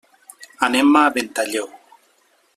Anem a Ventalló.